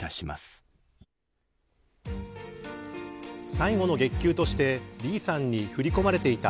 最後の月給としてＢさんに振り込まれていた